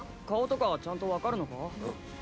「顔とかちゃんと分かるのか？」